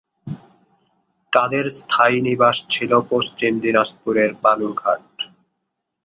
তাদের স্থায়ী নিবাস ছিল পশ্চিম দিনাজপুরের বালুর ঘাট।